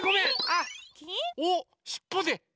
あっおしっぽで！